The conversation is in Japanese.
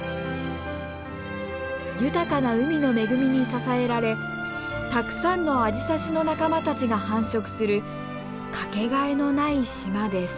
豊かな海の恵みに支えられたくさんのアジサシの仲間たちが繁殖するかけがえのない島です。